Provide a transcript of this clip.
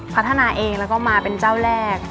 พัฒนาเองแล้วก็มาเป็นเจ้าแรก